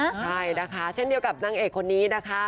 ใช่นะคะเช่นเดียวกับนางเอกคนนี้นะคะ